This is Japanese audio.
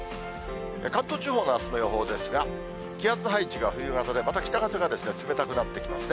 関東地方のあすの予報ですが、気圧配置が冬型で、また北風が冷たくなってきますね。